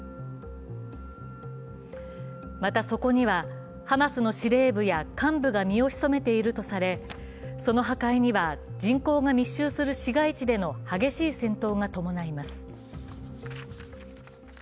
また、そこにはハマスの司令部や幹部が身を潜めているとされ、その破壊には人口が密集する市街地での激しい戦闘が伴います。